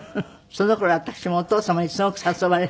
その頃私もお父様にすごく誘われてね。